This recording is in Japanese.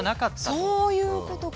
そういうことか。